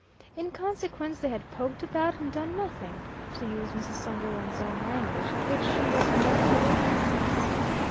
In consequence, they had "poked about and done nothing," to use Mrs. Sunderland's own language; at which she was no little incensed.